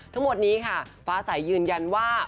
ทั้งหมดนี้ค่ะฟ้าสายยืนยันว่า